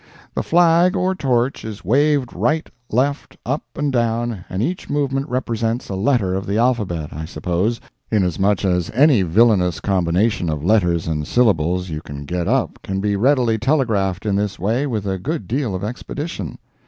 The flag, or torch, is waved right, left, up and down, and each movement represents a letter of the alphabet, I suppose, inasmuch as any villainous combination of letters and syllables you can get up can be readily telegraphed in this way with a good deal of expedition.